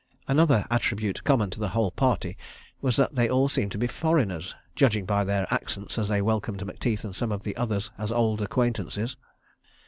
Another attribute common to the whole party was that they all seemed to be foreigners—judging by their accents as they welcomed Macteith and some of the others as old acquaintances.